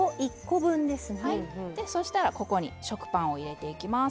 そしたらここに食パンを入れていきます。